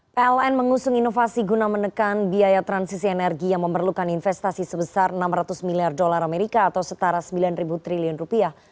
pln mengusung inovasi guna menekan biaya transisi energi yang memerlukan investasi sebesar enam ratus miliar dolar amerika atau setara sembilan ribu triliun rupiah